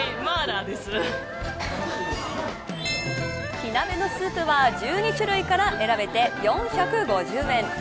火鍋のスープは１２種類から選べて４５０円。